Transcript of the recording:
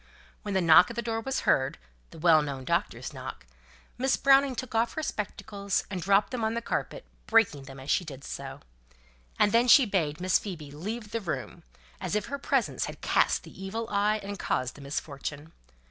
When the knock at the door was heard, the well known doctor's knock, Miss Browning took off her spectacles, and dropped them on the carpet, breaking them as she did so; and then she bade Miss Phoebe leave the room, as if her presence had cast the evil eye, and caused the misfortune.